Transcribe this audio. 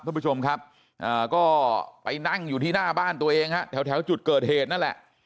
ท่านผู้ชมครับก็ไปนั่งอยู่ที่หน้าบ้านตัวเองฮะแถวจุดเกิดเหตุนั่นแหละ